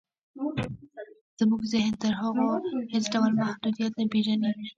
زموږ ذهن تر هغو هېڅ ډول محدوديت نه پېژني.